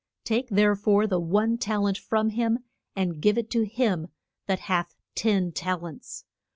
Take there fore the one tal ent from him and give it to him that hath ten tal ents.